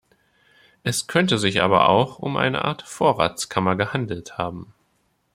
Es könnte sich aber auch um eine Art Vorratskammer gehandelt haben.